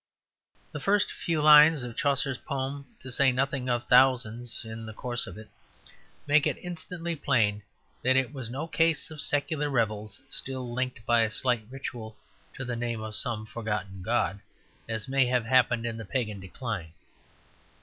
The first few lines of Chaucer's poem, to say nothing of thousands in the course of it, make it instantly plain that it was no case of secular revels still linked by a slight ritual to the name of some forgotten god, as may have happened in the pagan decline.